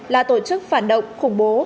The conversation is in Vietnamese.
là tổ chức phản động khủng bố